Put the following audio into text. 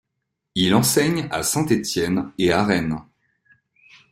Il enseigne à Saint-Étienne et à Rennes.